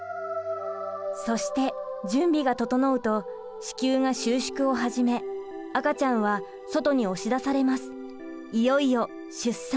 そして準備が整うと子宮が収縮を始め赤ちゃんは外に押し出されます。